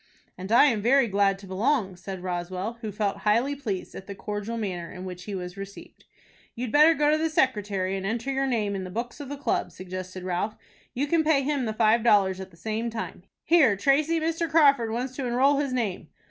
"And I am very glad to belong," said Roswell, who felt highly pleased at the cordial manner in which he was received. "You'd better go to the secretary, and enter your name in the books of the club," suggested Ralph. "You can pay him the five dollars at the same time. Here, Tracy, Mr. Crawford wants to enroll his name."